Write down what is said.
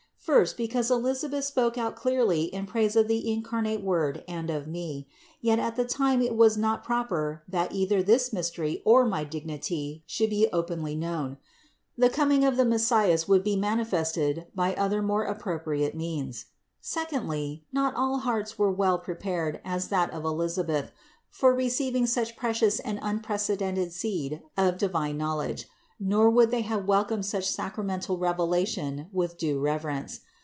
First, because Elisabeth spoke out clearly in praise of the incarnate Word and of me; yet at the time it was not proper that either this mystery or my dignity should be openly known; the coming of the Messias was to be manifested by other more appropriate means. Secondly, not all hearts were so well prepared as that of Elisabeth for receiving such precious and unprecedented seed of divine knowledge, nor would they have welcomed such sacramental revelation with due reverence.